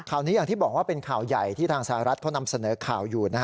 นี้อย่างที่บอกว่าเป็นข่าวใหญ่ที่ทางสหรัฐเขานำเสนอข่าวอยู่